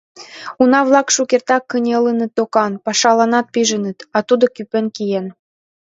Уна-влак шукертак кынелыныт докан, пашаланат пижыныт, а тудо кӱпен киен.